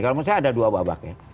kalau menurut saya ada dua babak ya